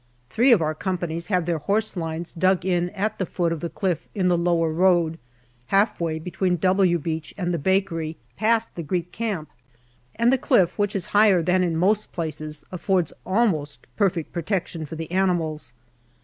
Three of our companies have their horse lines dug in at the foot of the cliff in the lower road, half way between " W" Beach JULY 175 and the bakery, past the Greek camp ; and the cliff, which is higher than in most places, affords almost perfect pro tection for the animals.